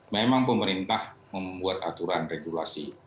memang pemerintah membuat aturan regulasi